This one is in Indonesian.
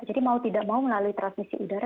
mau tidak mau melalui transmisi udara